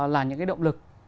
là những cái động lực